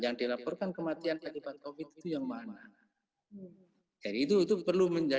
yang dilaporkan kematian daripada covid sembilan belas itu yang mana